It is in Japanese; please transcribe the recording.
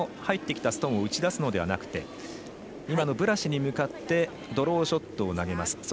入ってきたストーンを打ち出すのではなくて今のブラシに向かってドローショットを投げます。